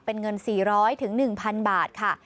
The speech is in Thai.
เป็นเงิน๔๐๐ถึง๑๐๐๐บาท